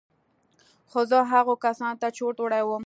خو زه هغو کسانو ته چورت وړى وم.